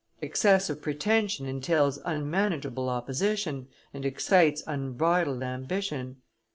Excessive pretension entails unmanageable opposition, and excites unbridled ambition.